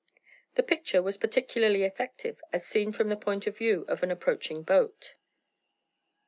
The picture was particularly effective as seen from the point of view of an approaching boat.